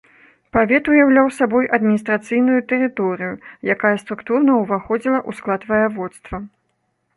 Павет уяўляў сабой адміністрацыйную тэрыторыю, якая структурна ўваходзіла ў склад ваяводства.